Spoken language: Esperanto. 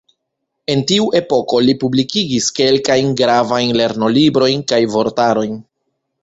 En tiu epoko li publikigis kelkajn gravajn lernolibrojn kaj vortarojn.